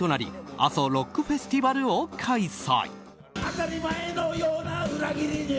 阿蘇ロックフェスティバルを開催。